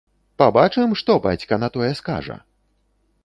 Пабачым, што бацька на тое скажа?